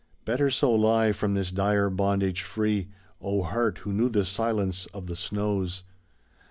Better so lie, from this dire bondage free, O heart who knew the silence of the snows